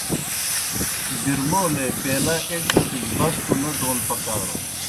برمولے پیلا ایْک چوْٹِجیْ بسکوْ نہ دون پکارُن۔